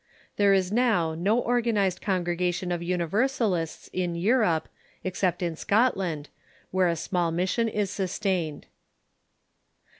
There is now no organized congregation of Universalists in Europe, except in Scotland, where a small mission is sustained.